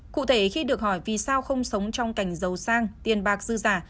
cụ thể khi được hỏi vì sao không sống trong cảnh giàu sang tiền bạc dư giả